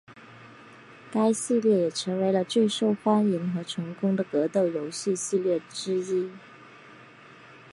该系列也成为了最受欢迎和成功的格斗游戏系列之一。